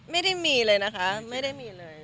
ไม่ได้มีเลยนะคะไม่ได้มีเลย